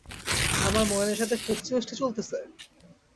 আমার ময়নার সাথে ফষ্টিনষ্টি চলতেছে?